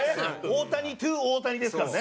大谷トゥ大谷ですからね。